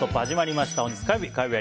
始まりました。